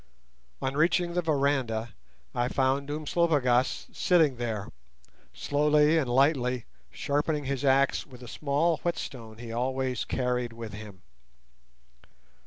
On reaching the veranda I found Umslopogaas sitting there, slowly and lightly sharpening his axe with a small whetstone he always carried with him.